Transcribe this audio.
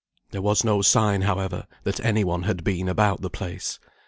There was no sign, however, that any one had been about the place.